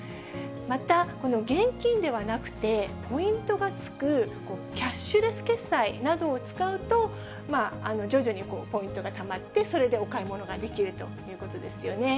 また、この現金ではなくて、ポイントがつくキャッシュレス決済などを使うと、徐々にポイントがたまって、それでお買い物ができるということですよね。